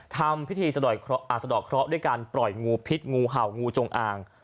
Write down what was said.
ทำพิธีสะดอกสะดอกเคราะห์ด้วยการปล่อยงูพิษงูเห่างูจงอ่าง